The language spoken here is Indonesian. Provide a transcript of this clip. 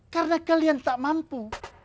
karena kalian tak mampu